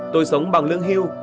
tôi sống bằng lương hưu